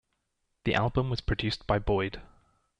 The album was produced by Boyd.